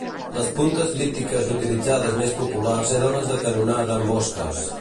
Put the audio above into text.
Les puntes lítiques utilitzades més populars eren les de cantonada amb osques.